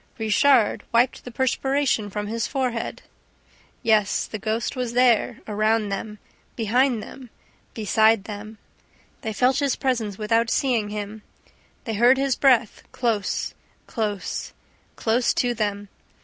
Richard wiped the perspiration from his forehead. Yes, the ghost was there, around them, behind them, beside them; they felt his presence without seeing him, they heard his breath, close, close, close to them!